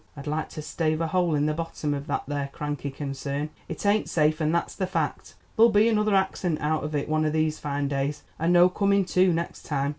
I'd like to stave a hole in the bottom of that there cranky concern; it ain't safe, and that's the fact. There'll be another accent out of it one of these fine days and no coming to next time.